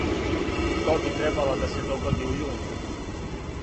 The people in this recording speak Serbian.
То би требало да се догоди у јуну.